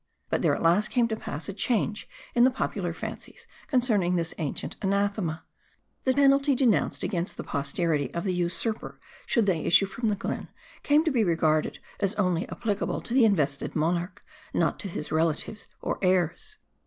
But there at last came to pass a change in the popular fancies concerning this ancient anathema. The penalty denounced against the posterity of the usurper should they 258 M A R D I. issue from the glen, came to be regarded as only applicable to an invested monarch, not to his relatives, or heirs.